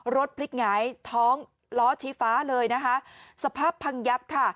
รถพลิกหงายท้องล้อชี้ฟ้าเลยนะคะสภาพพังยับค่ะ